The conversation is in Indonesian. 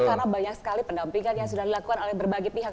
karena banyak sekali pendampingan yang sudah dilakukan oleh berbagai pihak